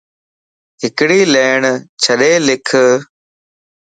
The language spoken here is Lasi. ھڪڙي ليڻ ڇڏي لکَ